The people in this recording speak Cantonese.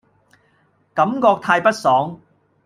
感覺太不爽